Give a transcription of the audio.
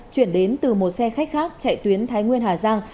chuyển đến từ một xe khách khác chạy tuyến thái nguyên hà giang